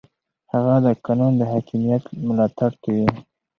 هغه د قانون د حاکمیت ملاتړ کوي.